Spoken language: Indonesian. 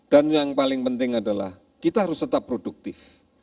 dan yang paling penting adalah kita harus tetap produktif